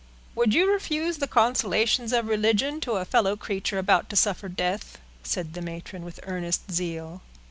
"Would you refuse the consolations of religion to a fellow creature about to suffer death?" said the matron, with earnest zeal.